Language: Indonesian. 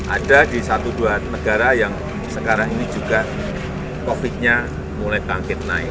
ada di satu dua negara yang sekarang ini juga covid nya mulai bangkit naik